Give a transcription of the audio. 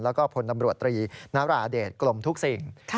แล้วก็พลตำรวจตรีนราเดชกลมทุกสิ่ง